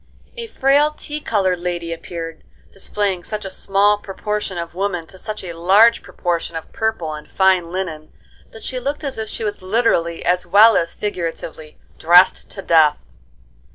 A frail, tea colored lady appeared, displaying such a small proportion of woman to such a large proportion of purple and fine linen, that she looked as if she was literally as well as figuratively "dressed to death."